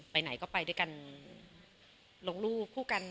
ไปไหนก็ไปด้วยกันลงรูปคู่กัน